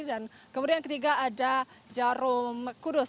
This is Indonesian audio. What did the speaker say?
dan kemudian ketiga ada jarum kudus